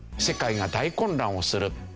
世界が大混乱をする。